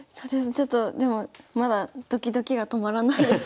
ちょっとでもまだドキドキが止まらないです。